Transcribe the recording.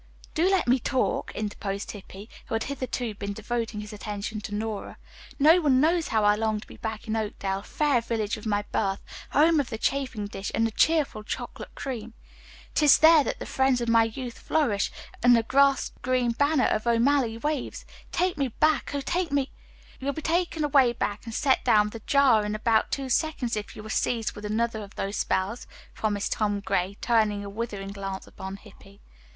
"Do let me talk," interposed Hippy, who had hitherto been devoting his attention to Nora. "No one knows how I long to be back in Oakdale, fair village of my birth, home of the chafing dish and the cheerful chocolate cream. 'Tis there that the friends of my youth flourish, and the grass green banner of O'Malley waves. Take me back; oh, take me " "You will be taken away back and set down with a jar in about two seconds if you are seized with another of those spells," promised Tom Gray, turning a withering glance upon Hippy.